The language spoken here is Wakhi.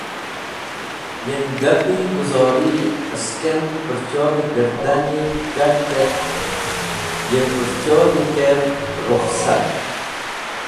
Yem gapiguzori askem pũrchodh gardani kart et yem pũrchodhi kert rukhsat.